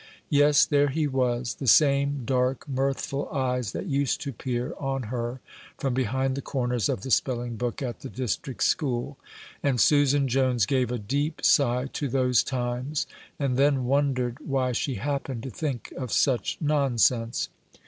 Yes, there he was! the same dark, mirthful eyes that used to peer on her from behind the corners of the spelling book at the district school; and Susan Jones gave a deep sigh to those times, and then wondered why she happened to think of such nonsense.